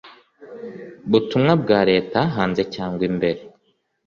butumwa bwa leta hanze cyangwa imbere